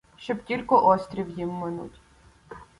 Щоб тілько острів їм минуть.